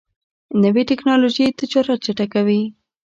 نوې ټکنالوژي تجارت چټکوي.